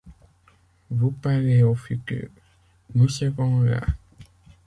Vous parlez au futur :« Nous serons là !